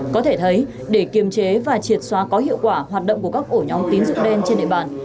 có thể thấy để kiềm chế và triệt xóa có hiệu quả hoạt động của các ổ nhóm tín dụng đen trên địa bàn